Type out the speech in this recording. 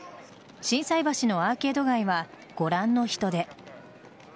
心斎橋のアーケード街はご覧の人出。